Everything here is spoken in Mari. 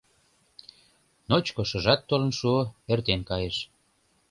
Ночко шыжат толын шуо, эртен кайыш.